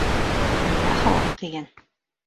Миңә һыуыҡ тейгән